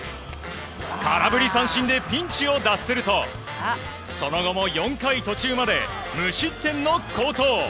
空振り三振でピンチを脱するとその後も４回途中まで無失点の好投。